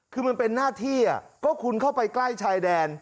คือมันเป็นหน้าที่ก็คุณเข้าไปใกล้ชายแดน